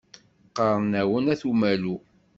Qqaṛen-awen At Umalu.